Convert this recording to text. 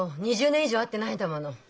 ２０年以上会ってないんだもの。